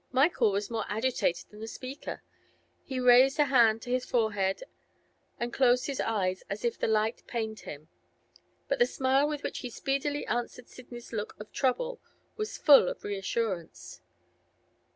Michael was more agitated than the speaker; he raised a hand to his forehead and closed his eyes as if the light pained them. But the smile with which he speedily answered Sidney's look of trouble was full of reassurance.